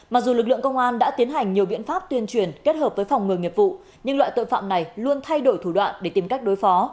mặc dù lực lượng công an đã tiến hành nhiều biện pháp tuyên truyền kết hợp với phòng ngừa nghiệp vụ nhưng loại tội phạm này luôn thay đổi thủ đoạn để tìm cách đối phó